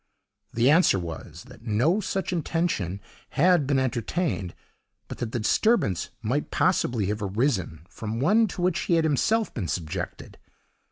The answer was, that no such intention had been entertained, but that the disturbance might possibly have arisen from one to which he had himself been subjected.